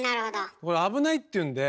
これ危ないっていうんで。